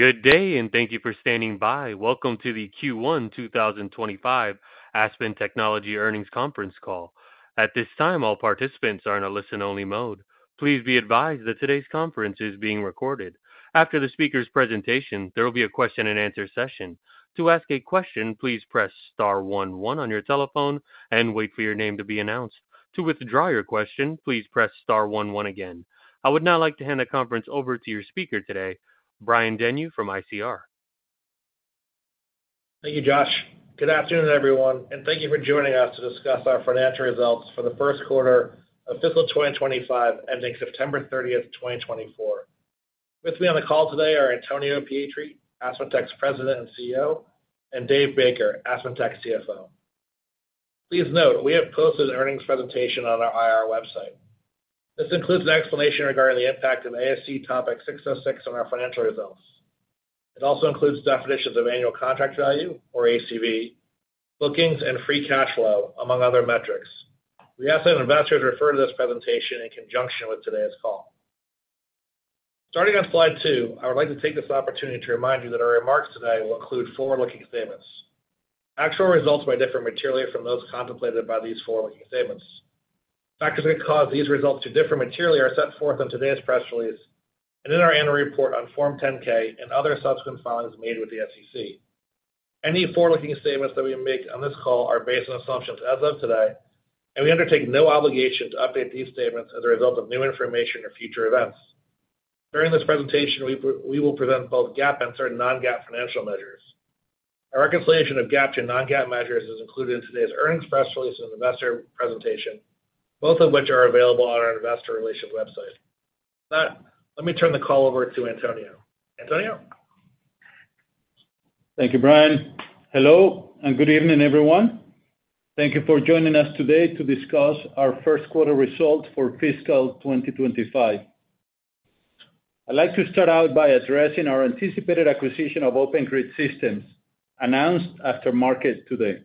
Good day, and thank you for standing by. Welcome to the Q1 2025 AspenTechnology earnings conference call. At this time, all participants are in a listen-only mode. Please be advised that today's conference is being recorded. After the speaker's presentation, there will be a question-and-answer session. To ask a question, please press star one one on your telephone and wait for your name to be announced. To withdraw your question, please press star one one again. I would now like to hand the conference over to your speaker today, Brian Denyeau from ICR. Thank you, Josh. Good afternoon, everyone, and thank you for joining us to discuss our financial results for the first quarter of fiscal 2025 ending September 30th, 2024. With me on the call today are Antonio Pietri, AspenTech's President and CEO, and Dave Baker, AspenTech CFO. Please note we have posted an earnings presentation on our IR website. This includes an explanation regarding the impact of ASC Topic 606 on our financial results. It also includes definitions of annual contract value, or ACV, bookings, and free cash flow, among other metrics. We ask that investors refer to this presentation in conjunction with today's call. Starting on slide two, I would like to take this opportunity to remind you that our remarks today will include forward-looking statements. Actual results may differ materially from those contemplated by these forward-looking statements. Factors that cause these results to differ materially are set forth in today's press release and in our annual report on Form 10-K and other subsequent filings made with the SEC. Any forward-looking statements that we make on this call are based on assumptions as of today, and we undertake no obligation to update these statements as a result of new information or future events. During this presentation, we will present both GAAP and certain non-GAAP financial measures. A reconciliation of GAAP to non-GAAP measures is included in today's earnings press release and investor presentation, both of which are available on our investor relations website. With that, let me turn the call over to Antonio. Antonio? Thank you, Brian. Hello, and good evening, everyone. Thank you for joining us today to discuss our first quarter results for fiscal 2025. I'd like to start out by addressing our anticipated acquisition of Open Grid Systems, announced after market today.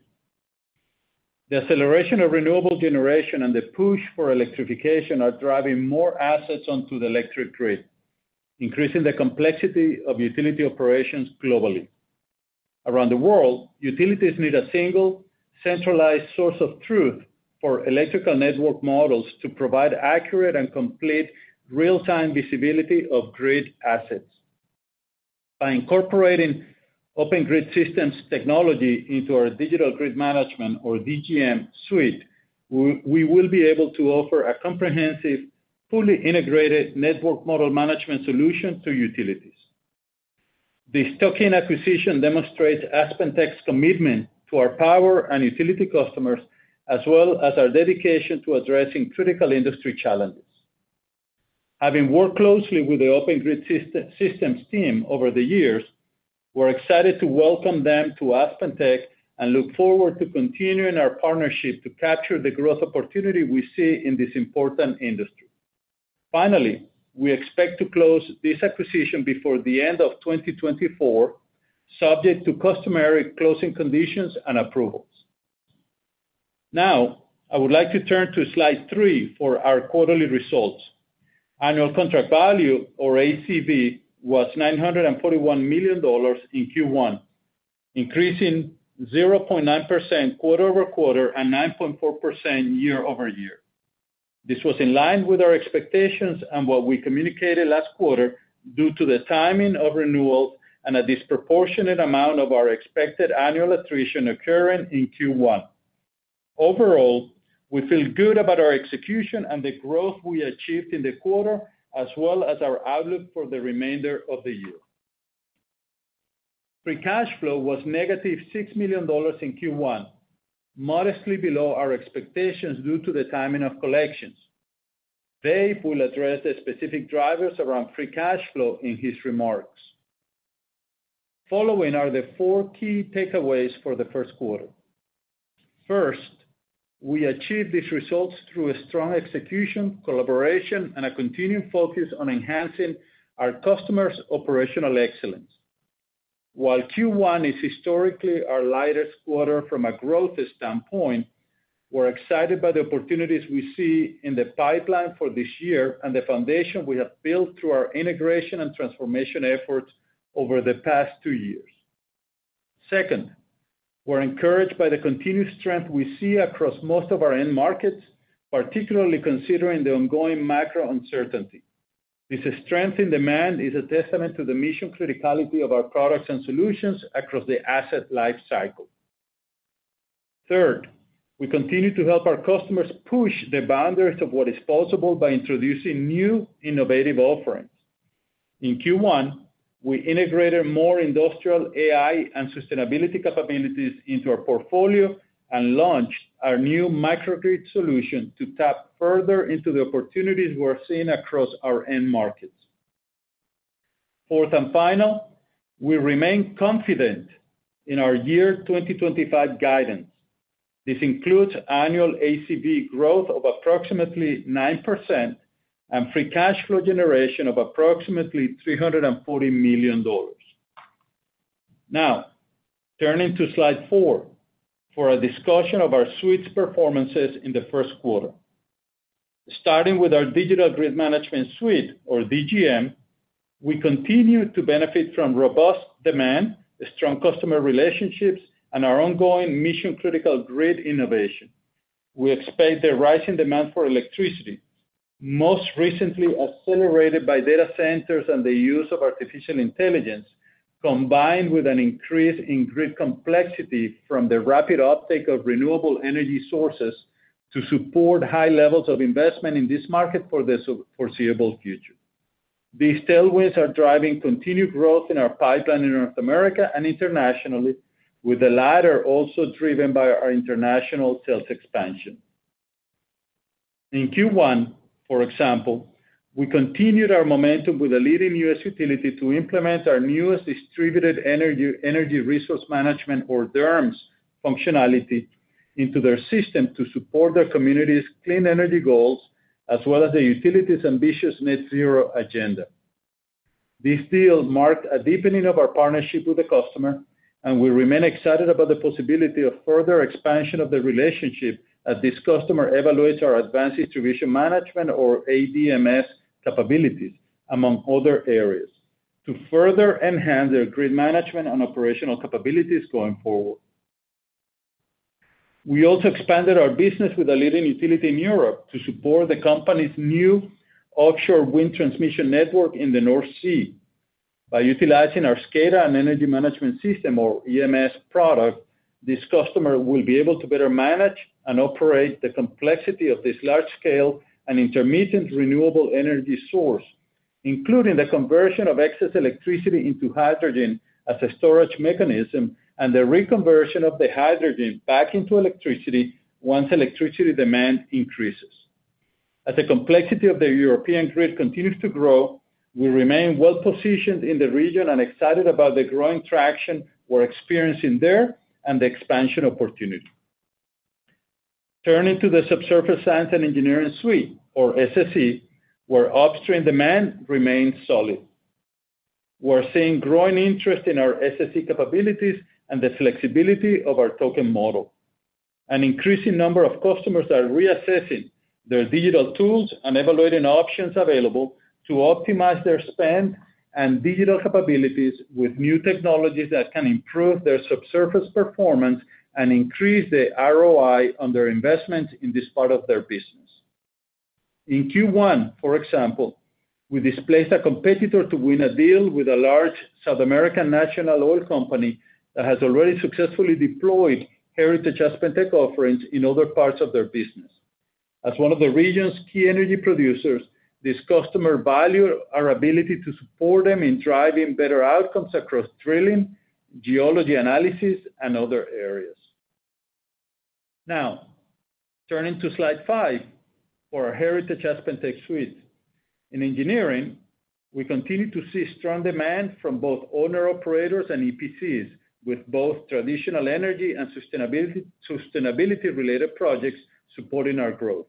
The acceleration of renewable generation and the push for electrification are driving more assets onto the electric grid, increasing the complexity of utility operations globally. Around the world, utilities need a single, centralized source of truth for electrical network models to provide accurate and complete real-time visibility of grid assets. By incorporating Open Grid Systems technology Digital Grid Management, or DGM suite, we will be able to offer a comprehensive, fully integrated network model management solution to utilities. This tuck-in acquisition demonstrates AspenTech's commitment to our power and utility customers, as well as our dedication to addressing critical industry challenges. Having worked closely with the Open Grid Systems team over the years, we're excited to welcome them to AspenTech and look forward to continuing our partnership to capture the growth opportunity we see in this important industry. Finally, we expect to close this acquisition before the end of 2024, subject to customary closing conditions and approvals. Now, I would like to turn to slide three for our quarterly results. Annual contract value, or ACV, was $941 million in Q1, increasing 0.9% quarter-over-quarter and 9.4% year-over-year. This was in line with our expectations and what we communicated last quarter due to the timing of renewals and a disproportionate amount of our expected annual attrition occurring in Q1. Overall, we feel good about our execution and the growth we achieved in the quarter, as well as our outlook for the remainder of the year. Free cash flow was -$6 million in Q1, modestly below our expectations due to the timing of collections. Dave will address the specific drivers around free cash flow in his remarks. Following are the four key takeaways for the first quarter. First, we achieved these results through a strong execution, collaboration, and a continued focus on enhancing our customers' operational excellence. While Q1 is historically our lightest quarter from a growth standpoint, we're excited by the opportunities we see in the pipeline for this year and the foundation we have built through our integration and transformation efforts over the past two years. Second, we're encouraged by the continued strength we see across most of our end markets, particularly considering the ongoing macro uncertainty. This strength in demand is a testament to the mission criticality of our products and solutions across the asset lifecycle. Third, we continue to help our customers push the boundaries of what is possible by introducing new innovative offerings. In Q1, we integrated more industrial AI and sustainability capabilities into our portfolio and launched our new microgrid solution to tap further into the opportunities we're seeing across our end markets. Fourth and final, we remain confident in our year 2025 guidance. This includes annual ACV growth of approximately 9% and free cash flow generation of approximately $340 million. Now, turning to slide four for a discussion of our suite's performances in the first quarter. Starting Digital Grid Management suite, or DGM, we continue to benefit from robust demand, strong customer relationships, and our ongoing mission-critical grid innovation. We expect the rising demand for electricity, most recently accelerated by data centers and the use of artificial intelligence, combined with an increase in grid complexity from the rapid uptake of renewable energy sources to support high levels of investment in this market for the foreseeable future. These tailwinds are driving continued growth in our pipeline in North America and internationally, with the latter also driven by our international sales expansion. In Q1, for example, we continued our momentum with a leading U.S. utility to implement our newest distributed energy resource management, or DERMS, functionality into their system to support their community's clean energy goals, as well as the utility's ambitious net-zero agenda. This deal marked a deepening of our partnership with the customer, and we remain excited about the possibility of further expansion of the relationship as this customer evaluates our advanced distribution management, or ADMS, capabilities, among other areas, to further enhance their grid management and operational capabilities going forward. We also expanded our business with a leading utility in Europe to support the company's new offshore wind transmission network in the North Sea. By utilizing our SCADA and energy management system, or EMS, product, this customer will be able to better manage and operate the complexity of this large-scale and intermittent renewable energy source, including the conversion of excess electricity into hydrogen as a storage mechanism and the reconversion of the hydrogen back into electricity once electricity demand increases. As the complexity of the European grid continues to grow, we remain well-positioned in the region and excited about the growing traction we're experiencing there and the expansion opportunity. Turning to the Subsurface Science and Engineering suite, or SSE, where upstream demand remains solid. We're seeing growing interest in our SSE capabilities and the flexibility of our token model. An increasing number of customers are reassessing their digital tools and evaluating options available to optimize their spend and digital capabilities with new technologies that can improve their subsurface performance and increase the ROI on their investments in this part of their business. In Q1, for example, we displaced a competitor to win a deal with a large South American national oil company that has already successfully deployed Heritage AspenTech offerings in other parts of their business. As one of the region's key energy producers, this customer valued our ability to support them in driving better outcomes across drilling, geology analysis, and other areas. Now, turning to slide five for our Heritage AspenTech suite. In engineering, we continue to see strong demand from both owner-operators and EPCs, with both traditional energy and sustainability-related projects supporting our growth.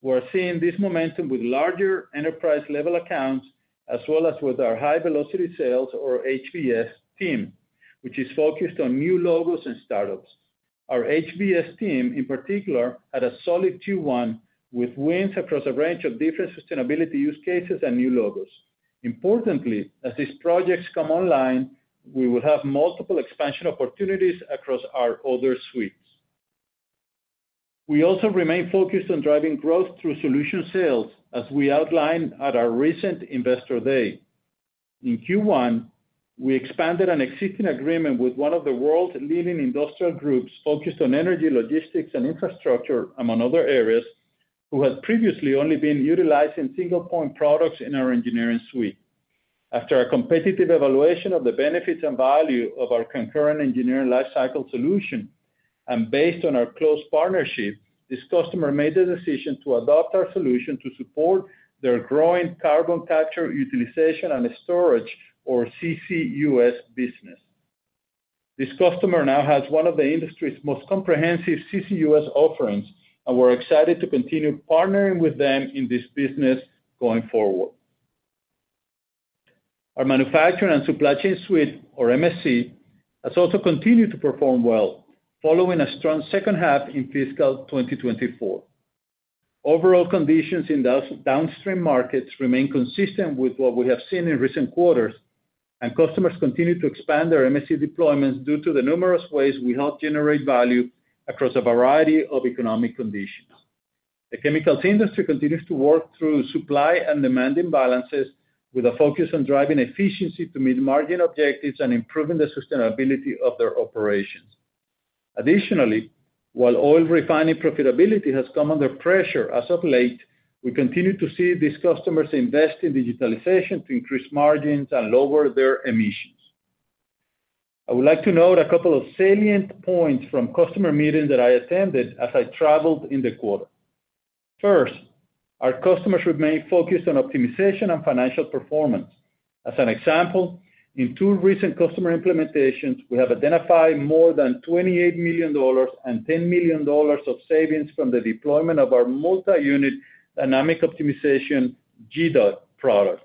We're seeing this momentum with larger enterprise-level accounts, as well as with our high-velocity sales, or HVS, team, which is focused on new logos and startups. Our HVS team, in particular, had a solid Q1 with wins across a range of different sustainability use cases and new logos. Importantly, as these projects come online, we will have multiple expansion opportunities across our other suites. We also remain focused on driving growth through solution sales, as we outlined at our recent investor day. In Q1, we expanded an existing agreement with one of the world's leading industrial groups focused on energy, logistics, and infrastructure, among other areas, who had previously only been utilizing single-point products in our engineering suite. After a competitive evaluation of the benefits and value of our concurrent engineering lifecycle solution, and based on our close partnership, this customer made the decision to adopt our solution to support their growing carbon capture, utilization, and storage, or CCUS, business. This customer now has one of the industry's most comprehensive CCUS offerings, and we're excited to continue partnering with them in this business going forward. Our Manufacturing and Supply Chain suite, or MSC, has also continued to perform well, following a strong second half in fiscal 2024. Overall conditions in downstream markets remain consistent with what we have seen in recent quarters, and customers continue to expand their MSC deployments due to the numerous ways we help generate value across a variety of economic conditions. The chemicals industry continues to work through supply and demand imbalances, with a focus on driving efficiency to meet margin objectives and improving the sustainability of their operations. Additionally, while oil refining profitability has come under pressure as of late, we continue to see these customers invest in digitalization to increase margins and lower their emissions. I would like to note a couple of salient points from customer meetings that I attended as I traveled in the quarter. First, our customers remain focused on optimization and financial performance. As an example, in two recent customer implementations, we have identified more than $28 million and $10 million of savings from the deployment of our multi-unit dynamic optimization GDOT product.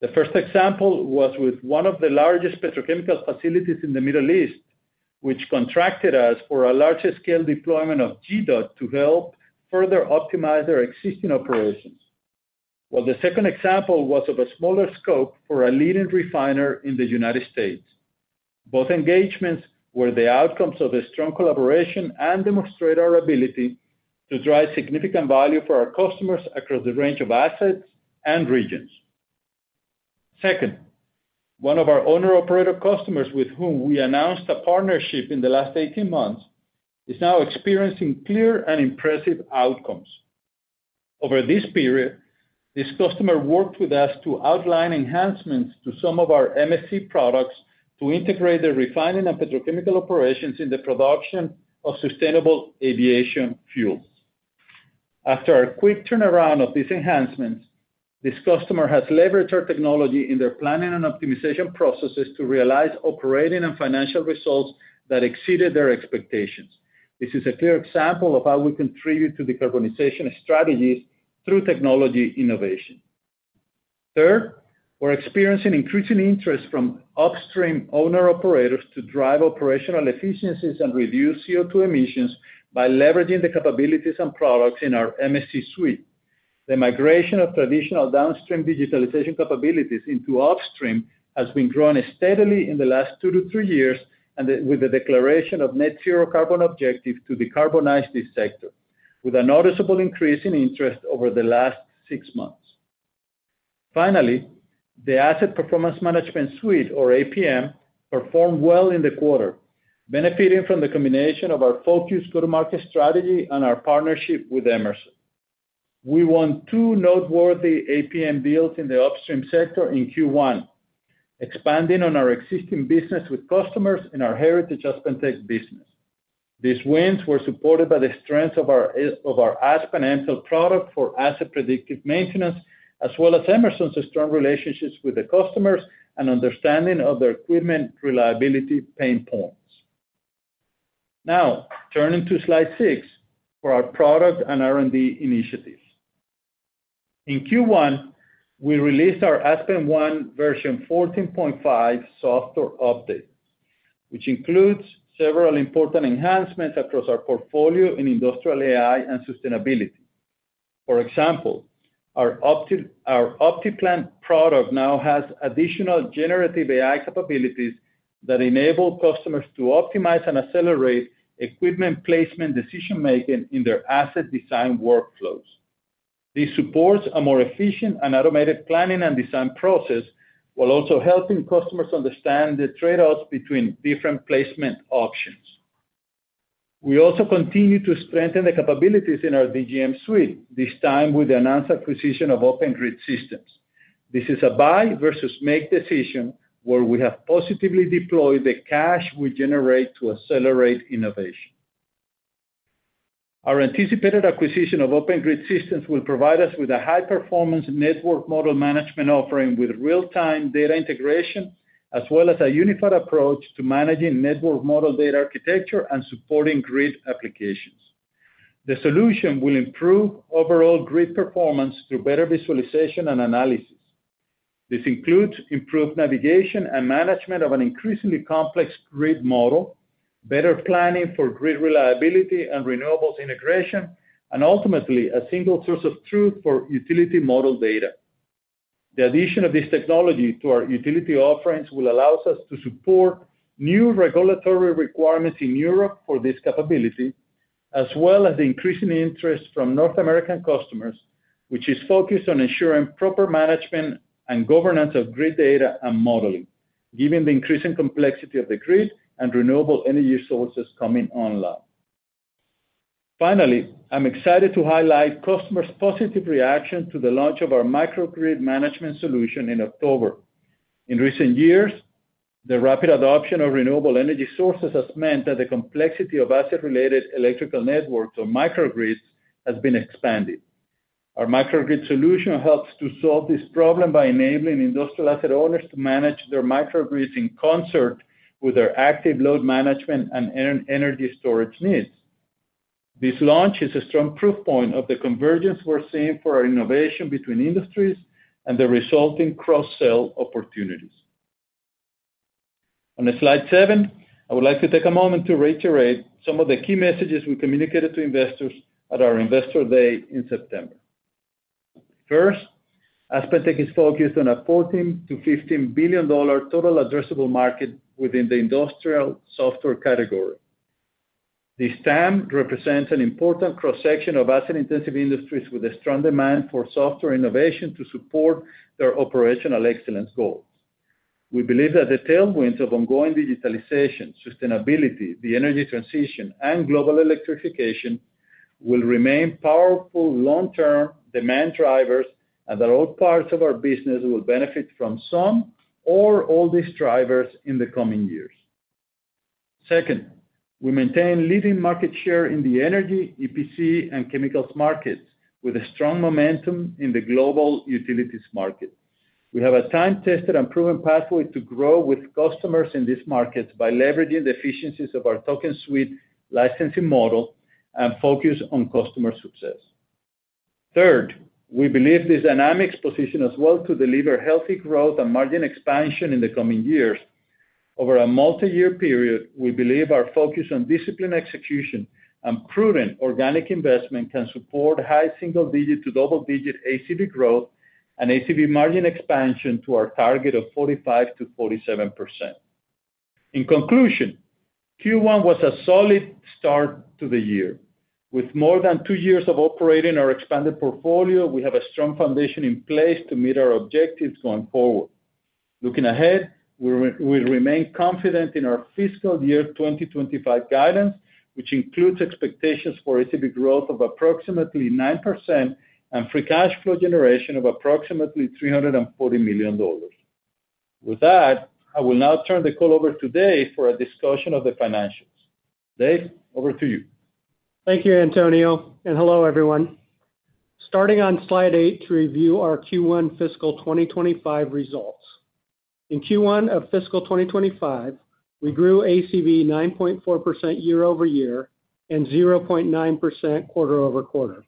The first example was with one of the largest petrochemical facilities in the Middle East, which contracted us for a larger-scale deployment of GDOT to help further optimize their existing operations. While the second example was of a smaller scope for a leading refiner in the United States. Both engagements were the outcomes of a strong collaboration and demonstrate our ability to drive significant value for our customers across the range of assets and regions. Second, one of our owner-operator customers, with whom we announced a partnership in the last 18 months, is now experiencing clear and impressive outcomes. Over this period, this customer worked with us to outline enhancements to some of our MSC products to integrate the refining and petrochemical operations in the production of sustainable aviation fuels. After a quick turnaround of these enhancements, this customer has leveraged our technology in their planning and optimization processes to realize operating and financial results that exceeded their expectations. This is a clear example of how we contribute to decarbonization strategies through technology innovation. Third, we're experiencing increasing interest from upstream owner-operators to drive operational efficiencies and reduce CO2 emissions by leveraging the capabilities and products in our MSC suite. The migration of traditional downstream digitalization capabilities into upstream has been growing steadily in the last two to three years, and with the declaration of net-zero carbon objectives to decarbonize this sector, with a noticeable increase in interest over the last six months. Finally, the Asset Performance Management suite, or APM, performed well in the quarter, benefiting from the combination of our focused go-to-market strategy and our partnership with Emerson. We won two noteworthy APM deals in the upstream sector in Q1, expanding on our existing business with customers in our Heritage AspenTech business. These wins were supported by the strength of our Aspen Mtell product for asset predictive maintenance, as well as Emerson's strong relationships with the customers and understanding of their equipment reliability pain points. Now, turning to slide six for our product and R&D initiatives. In Q1, we released our aspenONE version 14.5 software update, which includes several important enhancements across our portfolio in industrial AI and sustainability. For example, our OptiPlant product now has additional generative AI capabilities that enable customers to optimize and accelerate equipment placement decision-making in their asset design workflows. This supports a more efficient and automated planning and design process while also helping customers understand the trade-offs between different placement options. We also continue to strengthen the capabilities in our DGM suite, this time with the announced acquisition of Open Grid Systems. This is a buy-versus-make decision where we have positively deployed the cash we generate to accelerate innovation. Our anticipated acquisition of Open Grid Systems will provide us with a high-performance network model management offering with real-time data integration, as well as a unified approach to managing network model data architecture and supporting grid applications. The solution will improve overall grid performance through better visualization and analysis. This includes improved navigation and management of an increasingly complex grid model, better planning for grid reliability and renewables integration, and ultimately, a single source of truth for utility model data. The addition of this technology to our utility offerings will allow us to support new regulatory requirements in Europe for this capability, as well as the increasing interest from North American customers, which is focused on ensuring proper management and governance of grid data and modeling, given the increasing complexity of the grid and renewable energy sources coming online. Finally, I'm excited to highlight customers' positive reaction to the launch of our microgrid management solution in October. In recent years, the rapid adoption of renewable energy sources has meant that the complexity of asset-related electrical networks, or microgrids, has been expanded. Our microgrid solution helps to solve this problem by enabling industrial asset owners to manage their microgrids in concert with their active load management and energy storage needs. This launch is a strong proof point of the convergence we're seeing for our innovation between industries and the resulting cross-sell opportunities. On slide seven, I would like to take a moment to reiterate some of the key messages we communicated to investors at our Investor Day in September. First, AspenTech is focused on a $14 billion-$15 billion total addressable market within the industrial software category. This term represents an important cross-section of asset-intensive industries with a strong demand for software innovation to support their operational excellence goals. We believe that the tailwinds of ongoing digitalization, sustainability, the energy transition, and global electrification will remain powerful long-term demand drivers, and that all parts of our business will benefit from some or all these drivers in the coming years. Second, we maintain leading market share in the energy, EPC, and chemicals markets with a strong momentum in the global utilities market. We have a time-tested and proven pathway to grow with customers in these markets by leveraging the efficiencies of our token suite licensing model and focus on customer success. Third, we believe this dynamic positions us well to deliver healthy growth and margin expansion in the coming years. Over a multi-year period, we believe our focus on disciplined execution and prudent organic investment can support high single-digit to double-digit ACV growth and ACV margin expansion to our target of 45%-47%. In conclusion, Q1 was a solid start to the year. With more than two years of operating our expanded portfolio, we have a strong foundation in place to meet our objectives going forward. Looking ahead, we remain confident in our fiscal year 2025 guidance, which includes expectations for ACV growth of approximately 9% and free cash flow generation of approximately $340 million. With that, I will now turn the call over to Dave for a discussion of the financials. Dave, over to you. Thank you, Antonio. And hello, everyone. Starting on slide eight to review our Q1 fiscal 2025 results. In Q1 of fiscal 2025, we grew ACV 9.4% year-over-year and 0.9% quarter-over-quarter.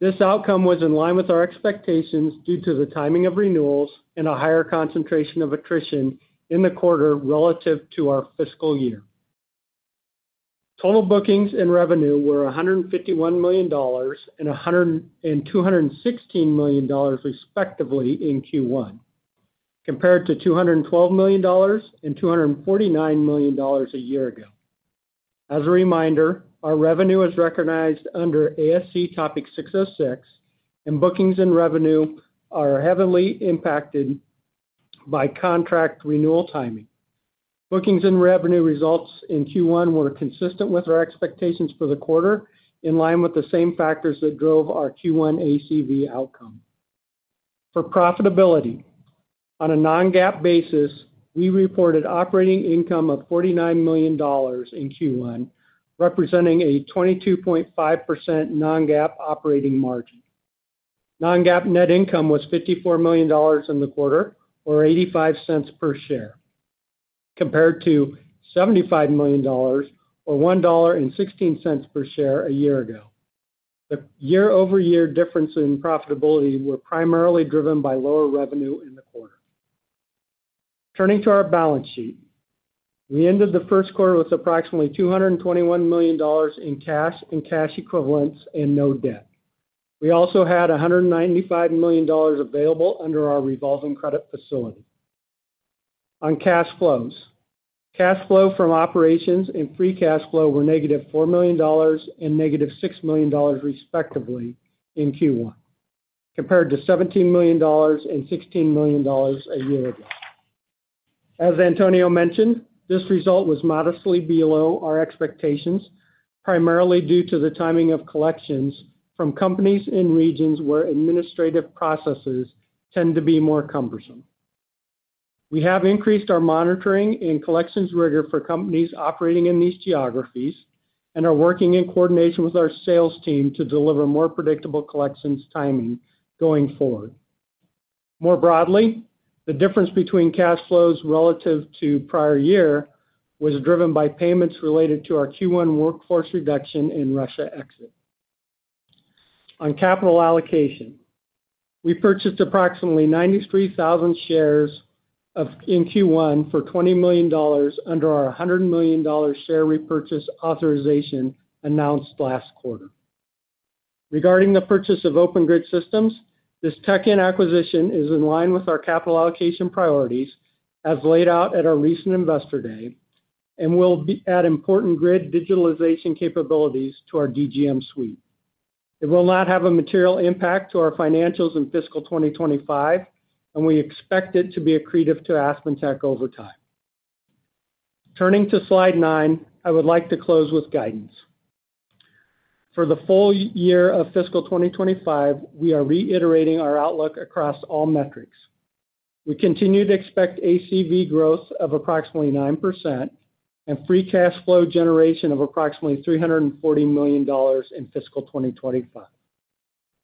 This outcome was in line with our expectations due to the timing of renewals and a higher concentration of attrition in the quarter relative to our fiscal year. Total bookings and revenue were $151 million and $216 million, respectively, in Q1, compared to $212 million and $249 million a year ago. As a reminder, our revenue is recognized under ASC Topic 606, and bookings and revenue are heavily impacted by contract renewal timing. Bookings and revenue results in Q1 were consistent with our expectations for the quarter, in line with the same factors that drove our Q1 ACV outcome. For profitability, on a non-GAAP basis, we reported operating income of $49 million in Q1, representing a 22.5% non-GAAP operating margin. Non-GAAP net income was $54 million in the quarter, or $0.85 per share, compared to $75 million, or $1.16 per share a year ago. The year-over-year difference in profitability was primarily driven by lower revenue in the quarter. Turning to our balance sheet, we ended the first quarter with approximately $221 million in cash and cash equivalents and no debt. We also had $195 million available under our revolving credit facility. On cash flows, cash flow from operations and free cash flow were -$4 million and -$6 million, respectively, in Q1, compared to $17 million and $16 million a year ago. As Antonio mentioned, this result was modestly below our expectations, primarily due to the timing of collections from companies in regions where administrative processes tend to be more cumbersome. We have increased our monitoring and collections rigor for companies operating in these geographies and are working in coordination with our sales team to deliver more predictable collections timing going forward. More broadly, the difference between cash flows relative to prior year was driven by payments related to our Q1 workforce reduction in Russia exit. On capital allocation, we purchased approximately 93,000 shares in Q1 for $20 million under our $100 million share repurchase authorization announced last quarter. Regarding the purchase of Open Grid Systems, this tuck-in acquisition is in line with our capital allocation priorities, as laid out at our recent investor day, and will add important grid digitalization capabilities to our DGM suite. It will not have a material impact to our financials in fiscal 2025, and we expect it to be accretive to AspenTech over time. Turning to slide nine, I would like to close with guidance. For the full year of fiscal 2025, we are reiterating our outlook across all metrics. We continue to expect ACV growth of approximately 9% and free cash flow generation of approximately $340 million in fiscal 2025,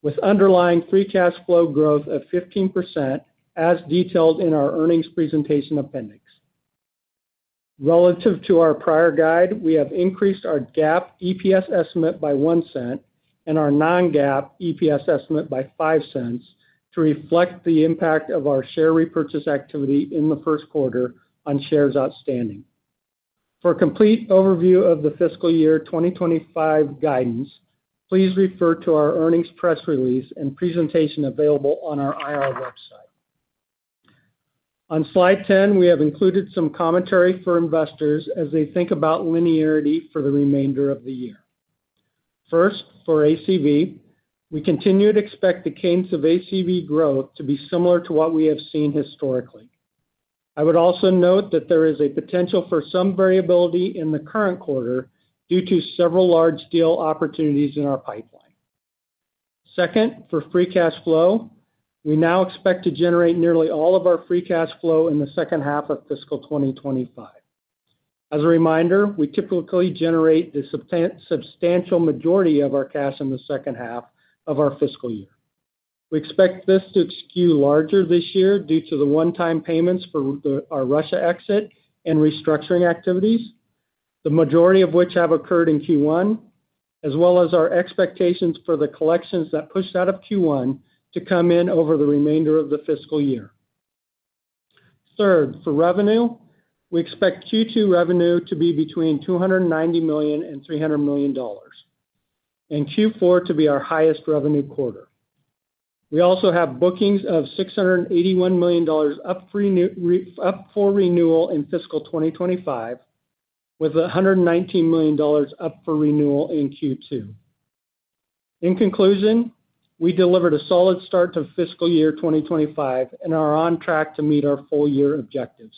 with underlying free cash flow growth of 15%, as detailed in our earnings presentation appendix. Relative to our prior guide, we have increased our GAAP EPS estimate by $0.01 and our non-GAAP EPS estimate by $0.05 to reflect the impact of our share repurchase activity in the first quarter on shares outstanding. For a complete overview of the fiscal year 2025 guidance, please refer to our earnings press release and presentation available on our IR website. On slide 10, we have included some commentary for investors as they think about linearity for the remainder of the year. First, for ACV, we continue to expect the cadence of ACV growth to be similar to what we have seen historically. I would also note that there is a potential for some variability in the current quarter due to several large deal opportunities in our pipeline. Second, for free cash flow, we now expect to generate nearly all of our free cash flow in the second half of fiscal 2025. As a reminder, we typically generate the substantial majority of our cash in the second half of our fiscal year. We expect this to be larger this year due to the one-time payments for our Russia exit and restructuring activities, the majority of which have occurred in Q1, as well as our expectations for the collections that pushed out of Q1 to come in over the remainder of the fiscal year. Third, for revenue, we expect Q2 revenue to be between $290 million-$300 million and Q4 to be our highest revenue quarter. We also have bookings of $681 million up for renewal in fiscal 2025, with $119 million up for renewal in Q2. In conclusion, we delivered a solid start to fiscal year 2025 and are on track to meet our full-year objectives.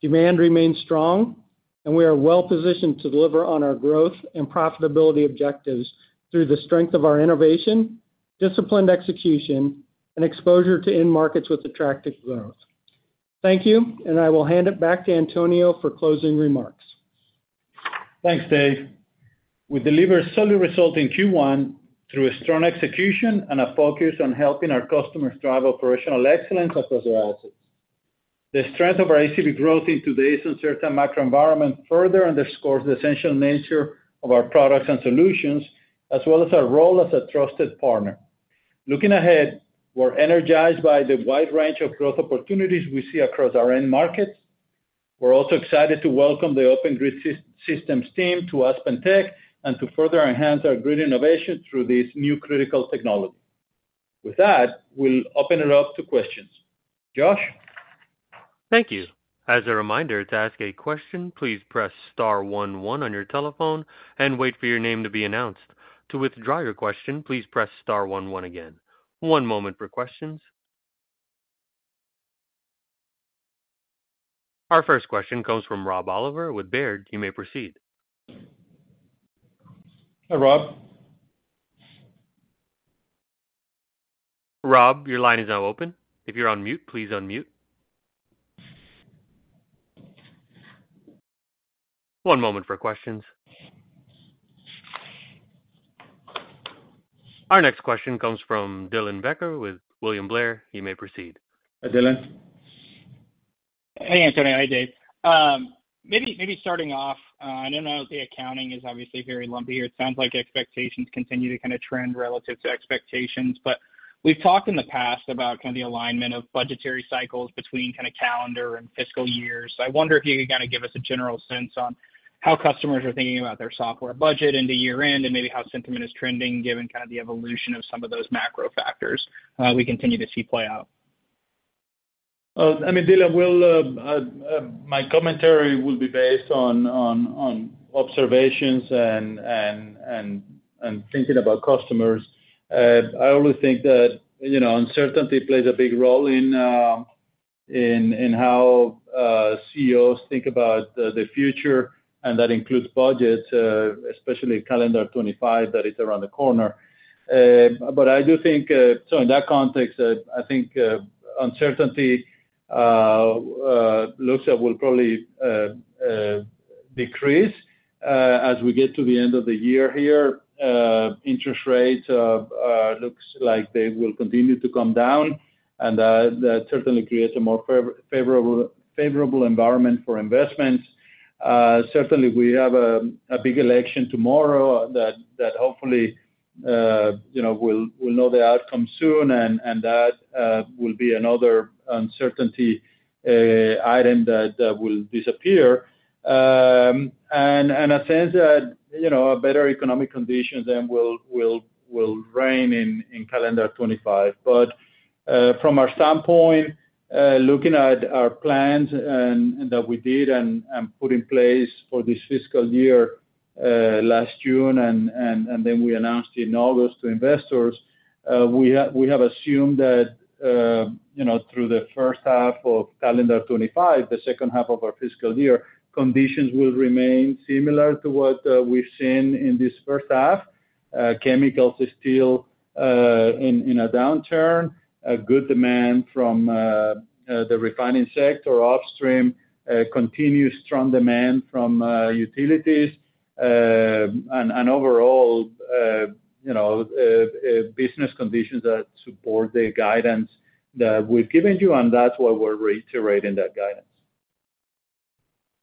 Demand remains strong, and we are well-positioned to deliver on our growth and profitability objectives through the strength of our innovation, disciplined execution, and exposure to end markets with attractive growth. Thank you, and I will hand it back to Antonio for closing remarks. Thanks, Dave. We deliver solid results in Q1 through strong execution and a focus on helping our customers drive operational excellence across their assets. The strength of our ACV growth in today's uncertain macro environment further underscores the essential nature of our products and solutions, as well as our role as a trusted partner. Looking ahead, we're energized by the wide range of growth opportunities we see across our end markets. We're also excited to welcome the Open Grid Systems team to AspenTech and to further enhance our grid innovation through this new critical technology. With that, we'll open it up to questions. Josh? Thank you. As a reminder, to ask a question, please press star one one on your telephone and wait for your name to be announced. To withdraw your question, please press star one one again. One moment for questions. Our first question comes from Rob Oliver with Baird. You may proceed. Hi, Rob. Rob, your line is now open. If you're on mute, please unmute. One moment for questions. Our next question comes from Dylan Becker with William Blair. You may proceed. Hi, Dylan. Hey, Antonio. Hi, Dave. Maybe starting off, I know the accounting is obviously very lumpy here. It sounds like expectations continue to kind of trend relative to expectations. But we've talked in the past about kind of the alignment of budgetary cycles between kind of calendar and fiscal years. I wonder if you could kind of give us a general sense on how customers are thinking about their software budget into year end and maybe how sentiment is trending given kind of the evolution of some of those macro factors we continue to see play out. I mean, Dylan, my commentary will be based on observations and thinking about customers. I always think that uncertainty plays a big role in how CEOs think about the future, and that includes budgets, especially calendar 2025 that is around the corner. But I do think, so in that context, I think uncertainty looks that will probably decrease as we get to the end of the year here. Interest rates looks like they will continue to come down, and that certainly creates a more favorable environment for investments. Certainly, we have a big election tomorrow that hopefully we'll know the outcome soon, and that will be another uncertainty item that will disappear, and a sense that better economic conditions then will reign in calendar 2025, but from our standpoint, looking at our plans that we did and put in place for this fiscal year last June, and then we announced in August to investors, we have assumed that through the first half of calendar 2025, the second half of our fiscal year, conditions will remain similar to what we've seen in this first half. Chemicals are still in a downturn, good demand from the refining sector upstream, continued strong demand from utilities. And overall, business conditions that support the guidance that we've given you, and that's why we're reiterating that guidance.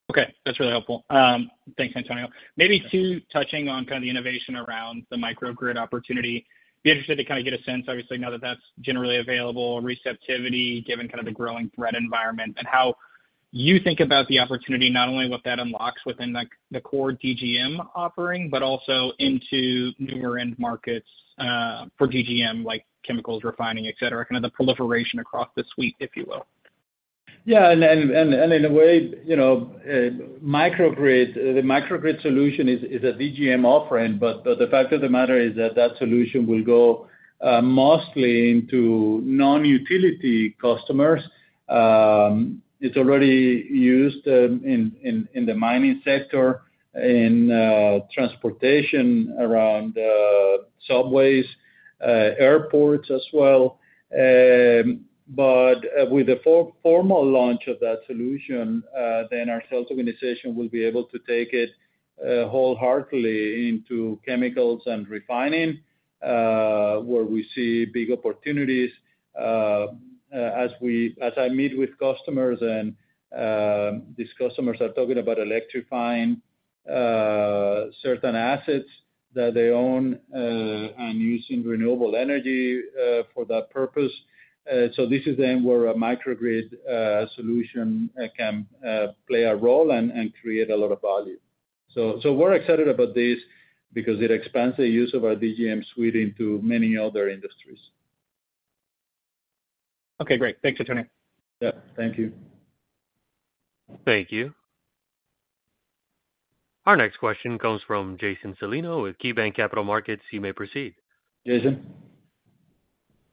Okay. That's really helpful. Thanks, Antonio. Maybe to touch on kind of the innovation around the microgrid opportunity. I'd be interested to kind of get a sense, obviously, now that that's generally available, receptivity given kind of the growing threat environment, and how you think about the opportunity, not only what that unlocks within the core DGM offering, but also into newer end markets for DGM, like chemicals, refining, etc., kind of the proliferation across the suite, if you will. Yeah. And in a way, the microgrid solution is a DGM offering, but the fact of the matter is that that solution will go mostly into non-utility customers. It's already used in the mining sector, in transportation around subways, airports as well. But with the formal launch of that solution, then our sales organization will be able to take it wholeheartedly into chemicals and refining, where we see big opportunities. As I meet with customers, and these customers are talking about electrifying certain assets that they own and using renewable energy for that purpose. So this is then where a microgrid solution can play a role and create a lot of value. So we're excited about this because it expands the use of our DGM suite into many other industries. Okay. Great. Thanks, Antonio. Yeah. Thank you. Thank you. Our next question comes from Jason Celino with KeyBanc Capital Markets. You may proceed. Jason.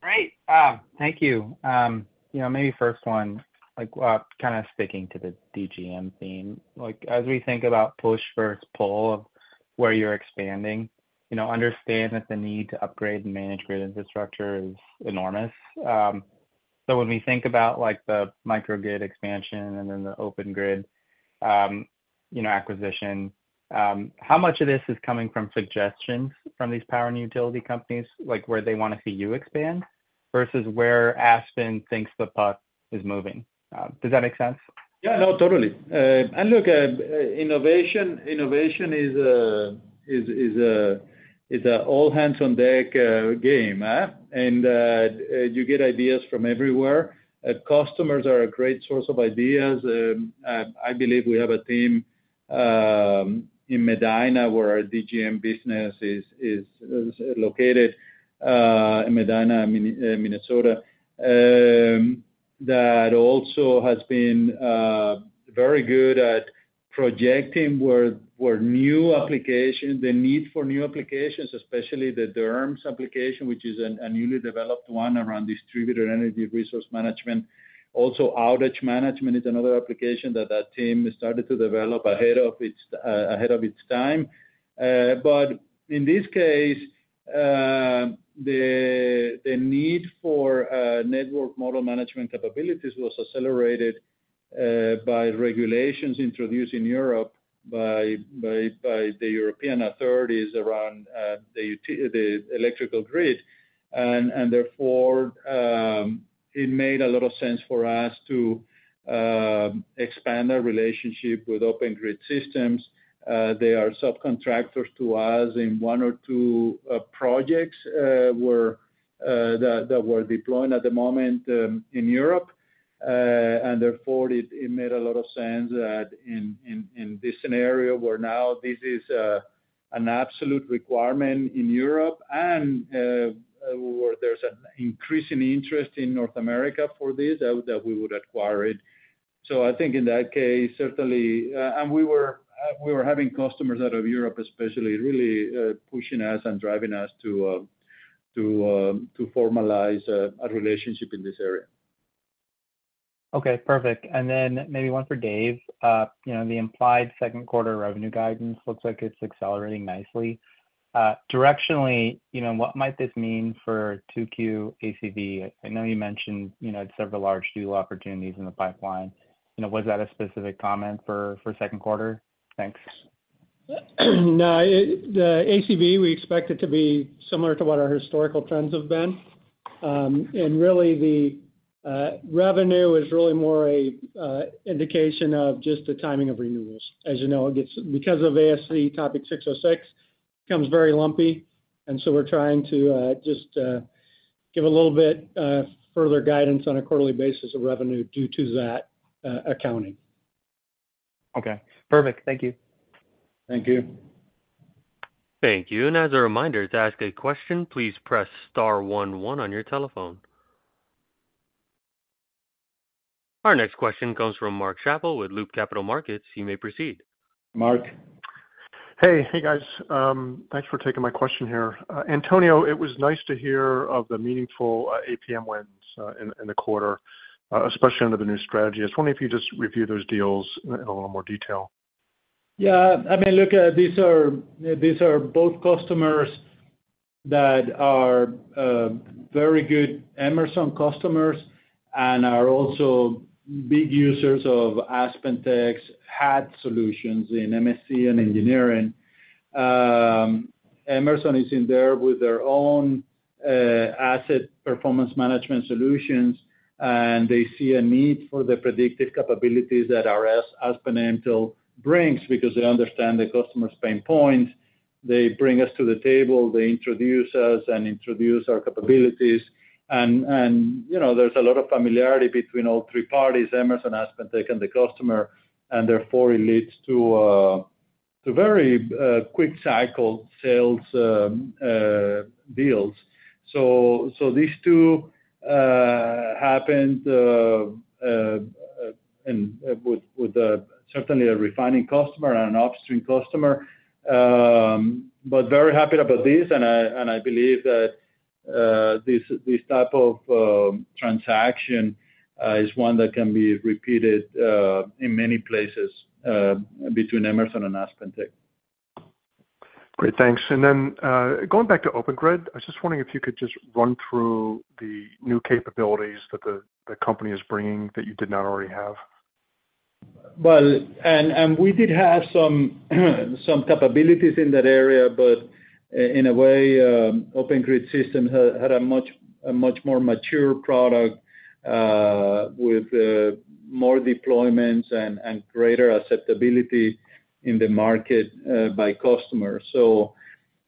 Great. Thank you. Maybe first one, kind of sticking to the DGM theme. As we think about push versus pull of where you're expanding, understand that the need to upgrade and manage grid infrastructure is enormous. So when we think about the microgrid expansion and then the Open Grid acquisition, how much of this is coming from suggestions from these power and utility companies where they want to see you expand versus where Aspen thinks the puck is moving? Does that make sense? Yeah. No, totally. And look, innovation is an all-hands-on-deck game, and you get ideas from everywhere. Customers are a great source of ideas. I believe we have a team in Medina, where our DGM business is located, in Medina, Minnesota, that also has been very good at projecting where new applications, the need for new applications, especially the DERMS application, which is a newly developed one around distributed energy resource management. Also, outage management is another application that that team started to develop ahead of its time. But in this case, the need for network model management capabilities was accelerated by regulations introduced in Europe by the European authorities around the electrical grid. And therefore, it made a lot of sense for us to expand our relationship with Open Grid Systems. They are subcontractors to us in one or two projects that were deploying at the moment in Europe. And therefore, it made a lot of sense that in this scenario, where now this is an absolute requirement in Europe and where there's an increasing interest in North America for this, that we would acquire it. So I think in that case, certainly, and we were having customers out of Europe especially really pushing us and driving us to formalize a relationship in this area. Okay. Perfect. And then maybe one for Dave. The implied second quarter revenue guidance looks like it's accelerating nicely. Directionally, what might this mean for 2Q ACV? I know you mentioned several large deal opportunities in the pipeline. Was that a specific comment for second quarter? Thanks. No, the ACV, we expect it to be similar to what our historical trends have been. And really, the revenue is really more an indication of just the timing of renewals. As you know, because of ASC Topic 606, it becomes very lumpy. And so we're trying to just give a little bit further guidance on a quarterly basis of revenue due to that accounting. Okay. Perfect. Thank you. Thank you. Thank you. And as a reminder, to ask a question, please press star one one on your telephone. Our next question comes from Mark Schappel with Loop Capital Markets. You may proceed. Mark. Hey. Hey, guys. Thanks for taking my question here. Antonio, it was nice to hear of the meaningful APM wins in the quarter, especially under the new strategy. I was wondering if you just reviewed those deals in a little more detail. Yeah. I mean, look, these are both customers that are very good Emerson customers and are also big users of AspenTech's HAT solutions in MSC and engineering. Emerson is in there with their own Asset Performance Management solutions, and they see a need for the predictive capabilities that our Aspen Mtell brings because they understand the customer's pain points. They bring us to the table. They introduce us and introduce our capabilities. And there's a lot of familiarity between all three parties: Emerson, AspenTech, and the customer. And therefore, it leads to very quick-cycle sales deals. So these two happened with certainly a refining customer and an upstream customer. But very happy about this. I believe that this type of transaction is one that can be repeated in many places between Emerson and AspenTech. Great. Thanks. And then going back to Open Grid, I was just wondering if you could just run through the new capabilities that the company is bringing that you did not already have. Well, and we did have some capabilities in that area, but in a way, Open Grid Systems had a much more mature product with more deployments and greater acceptability in the market by customers. So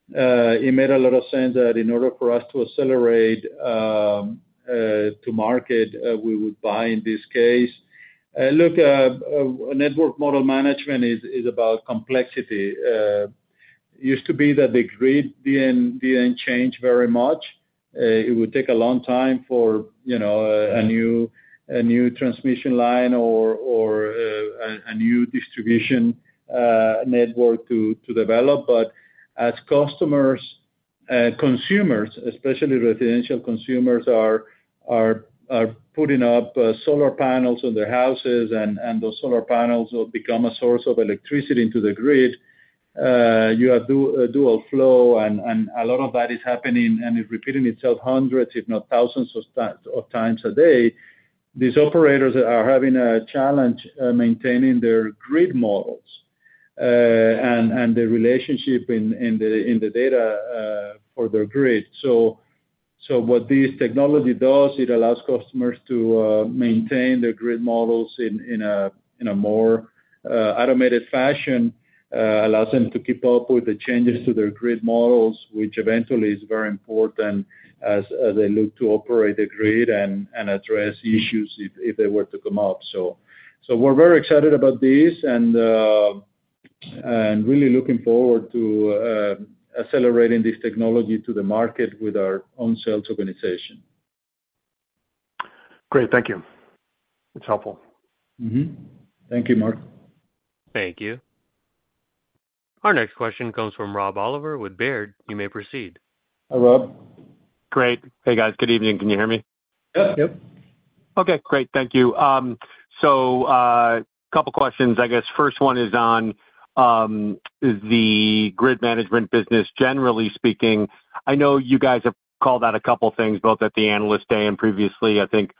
it made a lot of sense that in order for us to accelerate to market, we would buy in this case. Look, network model management is about complexity. It used to be that the grid didn't change very much. It would take a long time for a new transmission line or a new distribution network to develop. But as consumers, especially residential consumers, are putting up solar panels on their houses, and those solar panels will become a source of electricity into the grid. You have dual flow, and a lot of that is happening and is repeating itself hundreds, if not thousands, of times a day. These operators are having a challenge maintaining their grid models and the relationship in the data for their grid. So what this technology does, it allows customers to maintain their grid models in a more automated fashion. It allows them to keep up with the changes to their grid models, which eventually is very important as they look to operate the grid and address issues if they were to come up. So we're very excited about this and really looking forward to accelerating this technology to the market with our own sales organization. Great. Thank you. It's helpful. Thank you, Mark. Thank you. Our next question comes from Rob Oliver with Baird. You may proceed. Hi, Rob. Great. Hey, guys. Good evening. Can you hear me? Yep. Yep. Okay. Great. Thank you. So a couple of questions, I guess. First one is on the Grid management business, generally speaking. I know you guys have called out a couple of things, both at the Analyst Day and previously. I think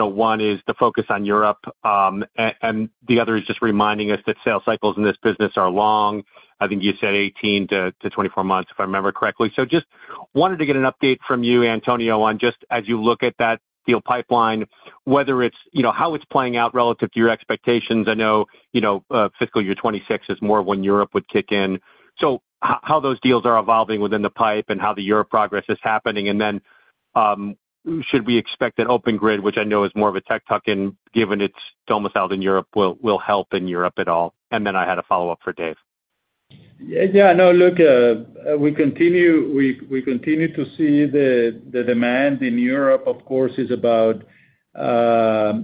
one is the focus on Europe, and the other is just reminding us that sales cycles in this business are long. I think you said 18-24 months, if I remember correctly. So just wanted to get an update from you, Antonio, on just as you look at that deal pipeline, whether it's how it's playing out relative to your expectations. I know fiscal year 2026 is more when Europe would kick in. So, how those deals are evolving within the pipe and how the European progress is happening. And then should we expect that Open Grid, which I know is more of a tech tuck-in given it's domiciled in Europe, will help in Europe at all? And then I had a follow-up for Dave. Yeah. No, look, we continue to see the demand in Europe, of course, is about signing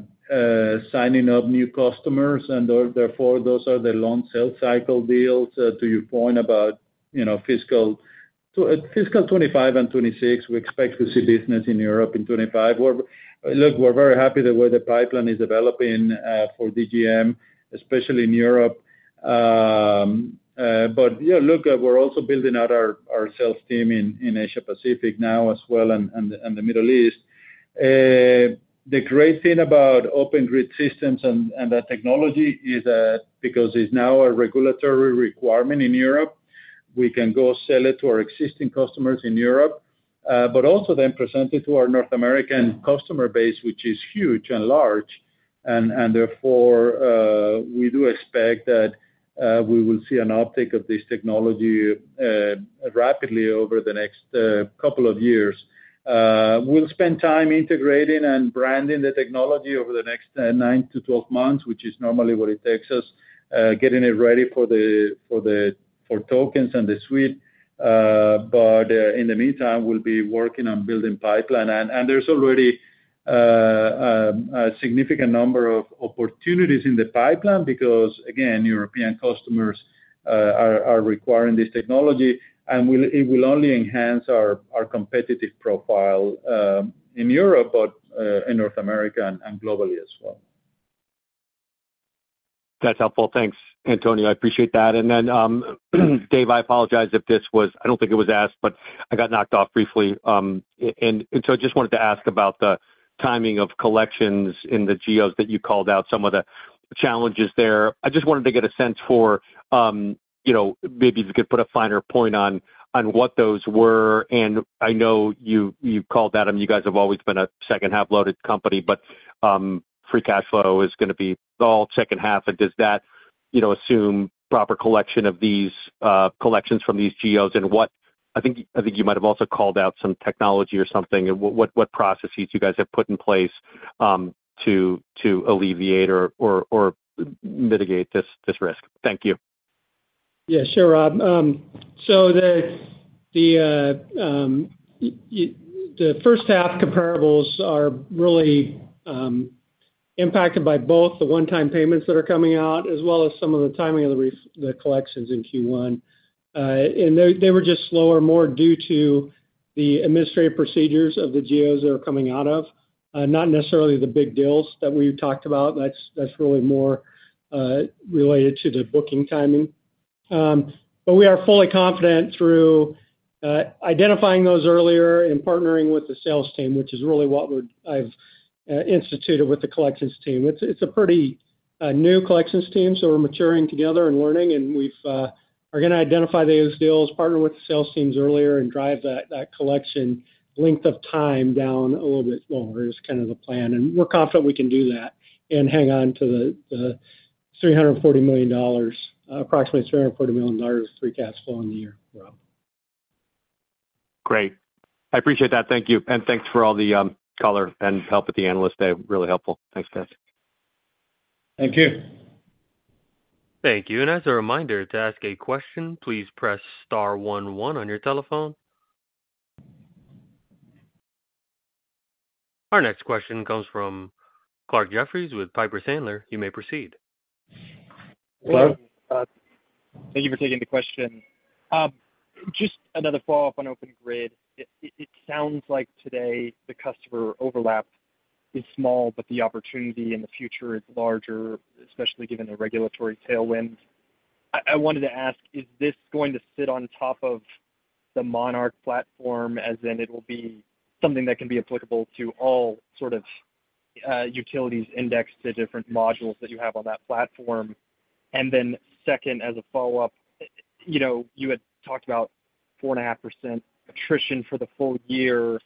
up new customers. And therefore, those are the long sales cycle deals. To your point about fiscal 2025 and 2026, we expect to see business in Europe in 2025. Look, we're very happy the way the pipeline is developing for DGM, especially in Europe. But yeah, look, we're also building out our sales team in Asia-Pacific now as well and the Middle East. The great thing about Open Grid Systems and that technology is that because it's now a regulatory requirement in Europe, we can go sell it to our existing customers in Europe, but also then present it to our North American customer base, which is huge and large, and therefore, we do expect that we will see an uptake of this technology rapidly over the next couple of years. We'll spend time integrating and branding the technology over the next nine to 12 months, which is normally what it takes us, getting it ready for tokens and the suite, but in the meantime, we'll be working on building pipeline, and there's already a significant number of opportunities in the pipeline because, again, European customers are requiring this technology, and it will only enhance our competitive profile in Europe, but in North America and globally as well. That's helpful. Thanks, Antonio. I appreciate that. And then, Dave, I apologize if this was, I don't think it was asked, but I got knocked off briefly, and so I just wanted to ask about the timing of collections in the geos that you called out, some of the challenges there. I just wanted to get a sense for maybe if you could put a finer point on what those were, and I know you called that, and you guys have always been a second-half-loaded company, but free cash flow is going to be all second half, and does that assume proper collection of these collections from these geos? And I think you might have also called out some technology or something. What processes you guys have put in place to alleviate or mitigate this risk? Thank you. Yeah. Sure, Rob. The first half comparables are really impacted by both the one-time payments that are coming out as well as some of the timing of the collections in Q1. They were just slower, more due to the administrative procedures of the geos that are coming out of, not necessarily the big deals that we talked about. That's really more related to the booking timing. We are fully confident through identifying those earlier and partnering with the sales team, which is really what I've instituted with the collections team. It's a pretty new collections team. We're maturing together and learning. We are going to identify those deals, partner with the sales teams earlier, and drive that collection length of time down a little bit longer is kind of the plan. And we're confident we can do that and hang on to the $340 million, approximately $340 million free cash flow in the year, Rob. Great. I appreciate that. Thank you. And thanks for all the color and help with the Analyst Day. Really helpful. Thanks, guys. Thank you. Thank you. And as a reminder, to ask a question, please press star one one on your telephone. Our next question comes from Clarke Jeffries with Piper Sandler. You may proceed. Hello. Thank you for taking the question. Just another follow-up on Open Grid. It sounds like today the customer overlap is small, but the opportunity in the future is larger, especially given the regulatory tailwinds. I wanted to ask, is this going to sit on top of the Monarch platform, as in it will be something that can be applicable to all sorts of utilities indexed to different modules that you have on that platform? And then second, as a follow-up, you had talked about 4.5% attrition for the full year.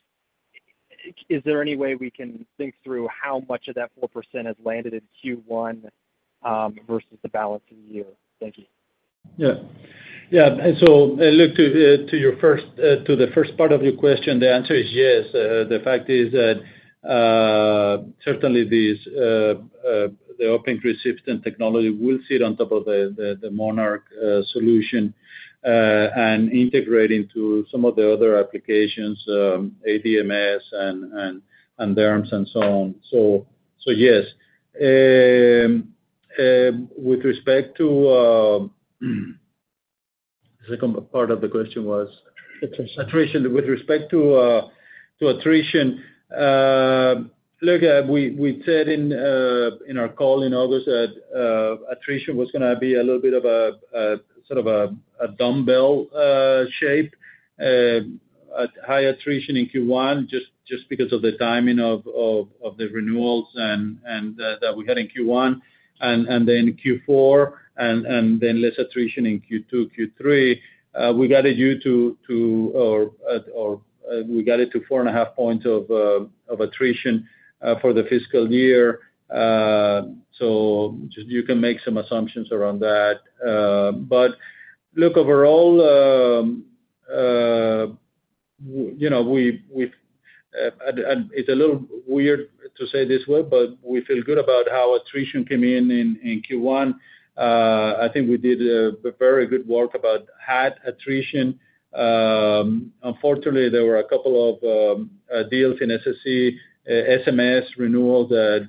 Is there any way we can think through how much of that 4% has landed in Q1 versus the balance of the year? Thank you. Yeah. Yeah. So look, to the first part of your question, the answer is yes. The fact is that certainly the Open Grid Systems technology will sit on top of the Monarch solution and integrate into some of the other applications, ADMS and DERMS and so on. So yes. With respect to the second part of the question was attrition. With respect to attrition, look, we said in our call in August that attrition was going to be a little bit of a sort of a dumbbell shape, high attrition in Q1 just because of the timing of the renewals that we had in Q1 and then Q4, and then less attrition in Q2, Q3. We got it to 4.5 points of attrition for the fiscal year. So you can make some assumptions around that. But look, overall, it's a little weird to say this way, but we feel good about how attrition came in in Q1. I think we did very good work about that attrition. Unfortunately, there were a couple of deals in SSE, [SMS] renewals that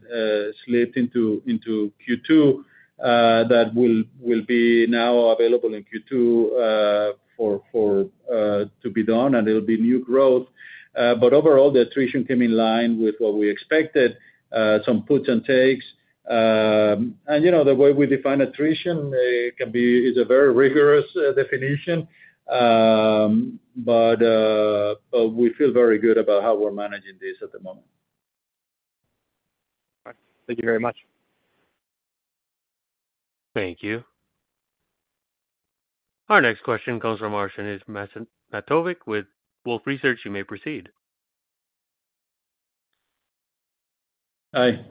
slipped into Q2 that will be now available in Q2 to be done, and it'll be new growth. But overall, the attrition came in line with what we expected, some puts and takes. And the way we define attrition is a very rigorous definition, but we feel very good about how we're managing this at the moment. Thank you very much. Thank you. Our next question comes from Arsenije Matovic with Wolfe Research. You may proceed. Hi.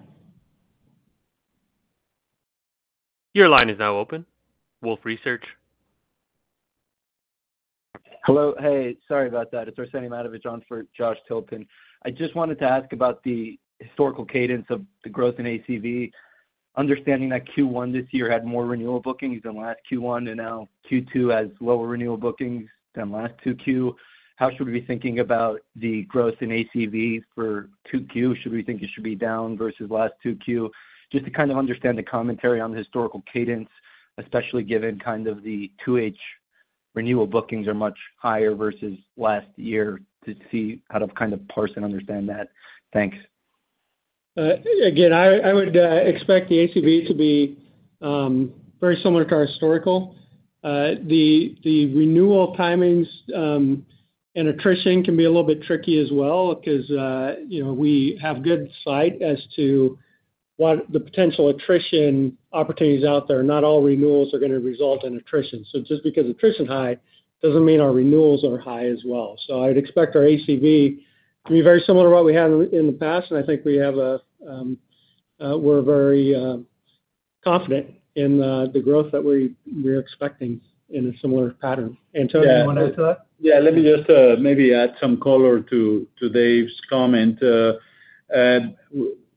Your line is now open. Wolfe Research. Hello. Hey. Sorry about that. It's Arsenije Matovic on for Josh Tilton. I just wanted to ask about the historical cadence of the growth in ACV, understanding that Q1 this year had more renewal bookings than last Q1, and now Q2 has lower renewal bookings than last 2Q. How should we be thinking about the growth in ACV for 2Q? Should we think it should be down versus last 2Q? Just to kind of understand the commentary on the historical cadence, especially given kind of the 2H renewal bookings are much higher versus last year, to see how to kind of parse and understand that. Thanks. Again, I would expect the ACV to be very similar to our historical. The renewal timings and attrition can be a little bit tricky as well because we have good sight as to what the potential attrition opportunities out there. Not all renewals are going to result in attrition. So just because attrition is high doesn't mean our renewals are high as well. So I'd expect our ACV to be very similar to what we had in the past. And I think we're very confident in the growth that we're expecting in a similar pattern. Antonio, you want to add to that? Yeah. Let me just maybe add some color to Dave's comment. We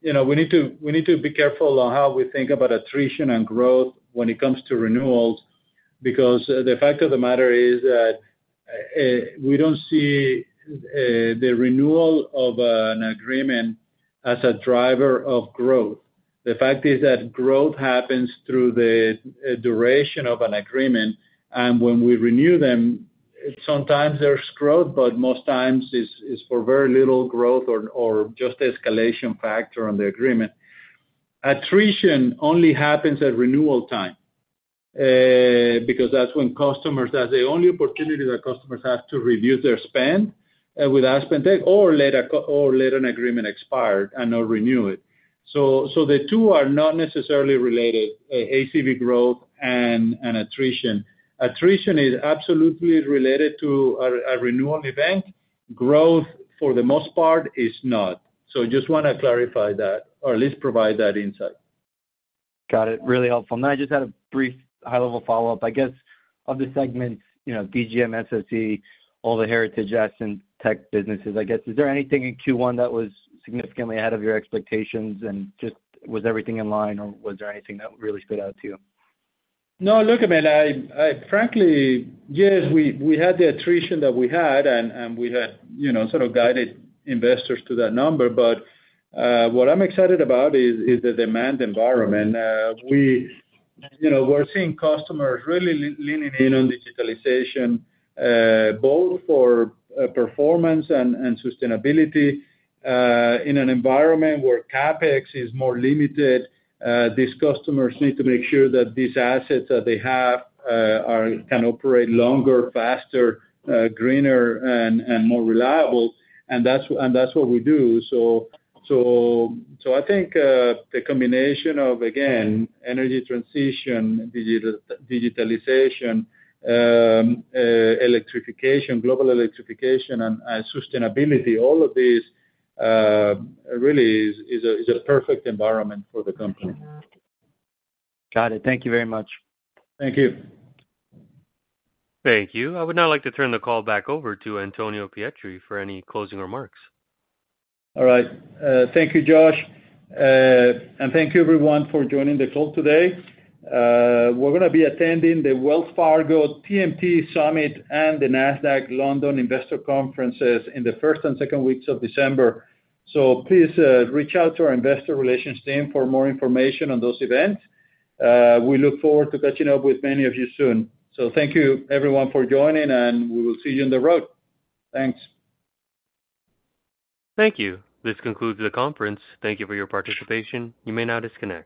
need to be careful on how we think about attrition and growth when it comes to renewals because the fact of the matter is that we don't see the renewal of an agreement as a driver of growth. The fact is that growth happens through the duration of an agreement, and when we renew them, sometimes there's growth, but most times it's for very little growth or just escalation factor on the agreement. Attrition only happens at renewal time because that's when customers have the only opportunity that customers have to reduce their spend with AspenTech or let an agreement expire and not renew it. So the two are not necessarily related, ACV growth and attrition. Attrition is absolutely related to a renewal event. Growth, for the most part, is not. So I just want to clarify that or at least provide that insight. Got it. Really helpful. Now, I just had a brief high-level follow-up, I guess, of the segments, DGM, SSE, all the AspenTech businesses, I guess. Is there anything in Q1 that was significantly ahead of your expectations? And just was everything in line, or was there anything that really stood out to you? No, look, I mean, frankly, yes, we had the attrition that we had, and we had sort of guided investors to that number. But what I'm excited about is the demand environment. We're seeing customers really leaning in on digitalization, both for performance and sustainability in an environment where CapEx is more limited. These customers need to make sure that these assets that they have can operate longer, faster, greener, and more reliable. And that's what we do. So I think the combination of, again, energy transition, digitalization, electrification, global electrification, and sustainability, all of this really is a perfect environment for the company. Got it. Thank you very much. Thank you. Thank you. I would now like to turn the call back over to Antonio Pietri for any closing remarks. All right. Thank you, Josh. And thank you, everyone, for joining the call today. We're going to be attending the Wells Fargo TMT Summit and the Nasdaq London Investor Conferences in the first and second weeks of December. So please reach out to our investor relations team for more information on those events. We look forward to catching up with many of you soon. So thank you, everyone, for joining, and we will see you on the road. Thanks. Thank you. This concludes the conference. Thank you for your participation. You may now disconnect.